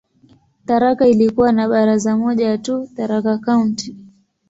Tharaka ilikuwa na baraza moja tu, "Tharaka County".